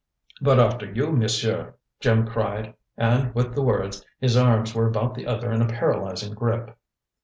"But after you, Monsieur!" Jim cried, and with the words, his arms were about the other in a paralyzing grip.